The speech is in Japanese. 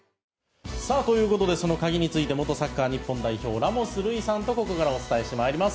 そのカギについて元サッカー日本代表ラモス瑠偉さんとここからお伝えしてまいります。